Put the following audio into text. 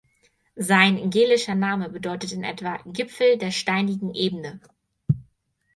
Sein gälischer Name bedeutet in etwa "Gipfel der steinigen Ebene".